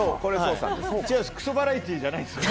クソバラエティーじゃないですよ。